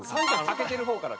開けてる方から。